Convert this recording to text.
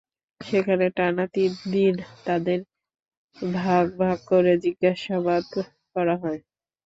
সেখানে টানা তিন দিন তাঁদের ভাগ ভাগ করে জিজ্ঞাসাবাদ করা হয়।